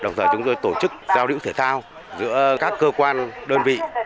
giờ chúng tôi tổ chức giao điệu thể thao giữa các cơ quan đơn vị